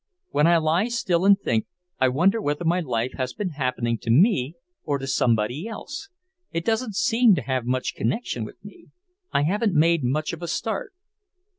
When I lie still and think, I wonder whether my life has been happening to me or to somebody else. It doesn't seem to have much connection with me. I haven't made much of a start."